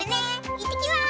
いってきます！